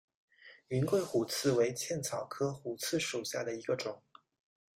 云桂虎刺为茜草科虎刺属下的一个种。